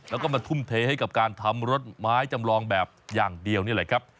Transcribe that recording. แล้วก็มาทุ่มเทให้กับการทำรถไม้จำลองแบบอย่างเดียวนี่แหละครับ